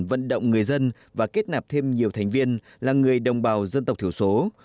vận động người dân và kết nạp thêm nhiều thành viên là người đồng bào dân tộc thiểu số